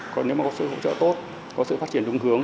còn nếu mà có sự hỗ trợ tốt có sự phát triển đúng hướng